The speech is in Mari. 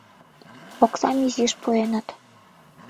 Оксам изиш пуэныт.